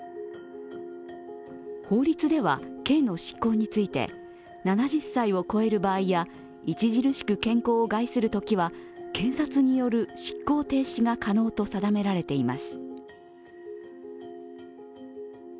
法律では、刑の執行について７０歳を超える場合や著しく健康を害するときは検察による執行停止が可能と定められています。